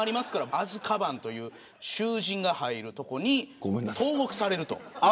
アズカバンという囚人が入る所に投獄される。